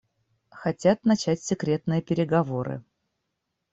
Хотят начать секретные переговоры.